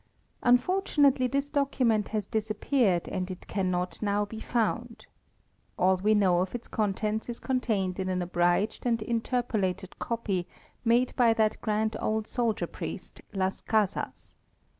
Unfortunately, this document has disappeared and it cannot now be found. All we know of its contents 1s contained in an abridged and interpolated copy made by that grand old soldier priest, Las Casas.